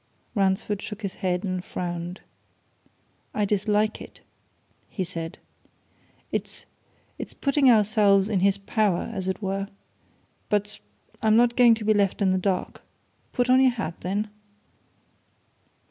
Ransford shook his head and frowned. "I dislike it!" he said. "It's it's putting ourselves in his power, as it were. But I'm not going to be left in the dark. Put on your hat, then."